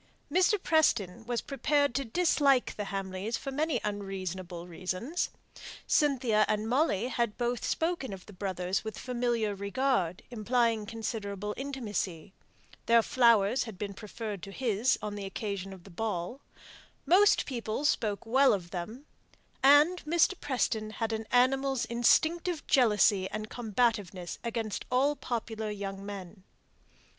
Mr. Preston was prepared to dislike the Hamleys for many unreasonable reasons. Cynthia and Molly had both spoken of the brothers with familiar regard, implying considerable intimacy; their flowers had been preferred to his on the occasion of the ball; most people spoke well of them; and Mr. Preston had an animal's instinctive jealousy and combativeness against all popular young men.